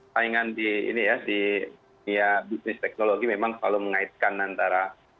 taringan di bisnis teknologi memang selalu mengaitkan antara